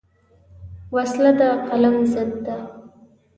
وسله د قلم ضد ده